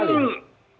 nah itu kan